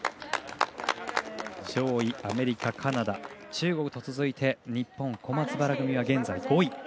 上位アメリカ、カナダ、中国と続いて日本、小松原組は現在５位。